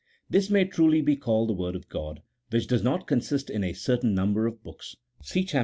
This may truly be called the Word of God, which does not consist in a certain number of books (see Chap.